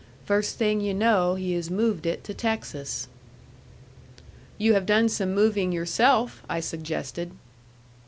First thing yu' know, he has moved it to Texas." "You have done some moving yourself," I suggested.